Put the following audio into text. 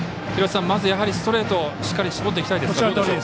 まずストレートしっかり絞っていきたいですか？